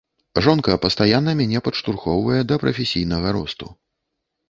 Жонка пастаянна мяне падштурхоўвае да прафесійнага росту.